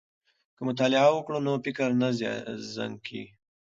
که مطالعه وکړو نو فکر نه زنګ کیږي.